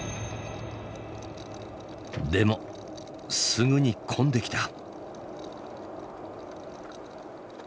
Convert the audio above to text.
でもすぐに混んできた。